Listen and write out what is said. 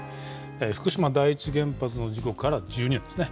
福島第一原発の事故から１２年ですね。